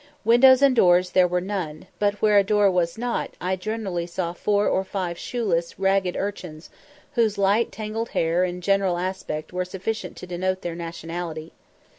Windows and doors there were none, but, where a door was not, I generally saw four or five shoeless, ragged urchins, whose light tangled hair and general aspect were sufficient to denote their nationality.